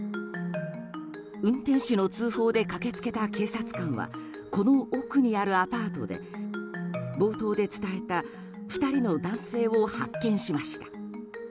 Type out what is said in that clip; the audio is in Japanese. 運転手の通報で駆け付けた警察官はこの奥にあるアパートで冒頭で伝えた２人の男性を発見しました。